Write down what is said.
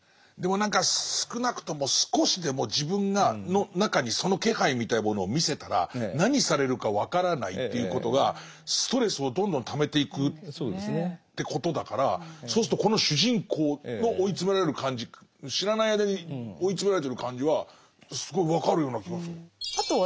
でも何か少なくとも少しでも自分の中にその気配みたいなものを見せたら何されるか分からないっていうことがストレスをどんどんためていくってことだからそうするとこの主人公の追い詰められる感じ知らない間に追い詰められてる感じはすごい分かるような気がする。